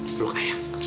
ini blok ayah